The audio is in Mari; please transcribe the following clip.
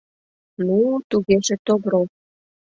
Ну-у, тугеже товро!